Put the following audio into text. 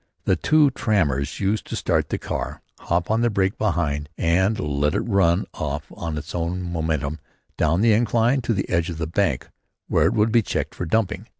The two trammers used to start the car, hop on the brake behind and let it run of its own momentum down the incline to the edge of the bank where it would be checked for dumping.